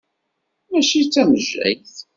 Mačči d tamejjayt.